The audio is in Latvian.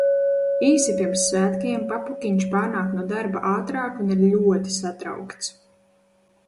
Īsi pirms svētkiem papukiņš pārnāk no darba ātrāk un ir ļoti satraukts.